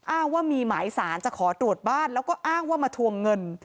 อ้างว่ามีหมายสารจะขอตรวจบ้านแล้วก็อ้างว่ามาทวงเงิน